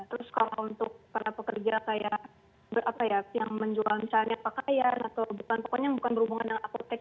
terus kalau untuk para pekerja kayak yang menjual misalnya pakaian atau bukan pokoknya bukan berhubungan dengan apotek